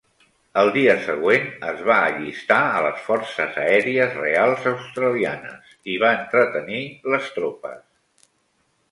El dia següent es va allistar a les Forces Aèries Reals Australianes i va entretenir les tropes.